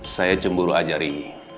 saya cemburu aja ri